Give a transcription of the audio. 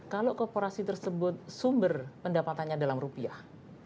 kalau korporasi tersebut sumber pendapatannya dalam rupiah